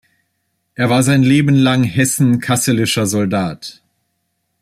Er war sein Leben lang hessen-kasselischer Soldat.